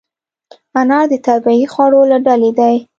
انار د طبیعي خوړو له ډلې دی.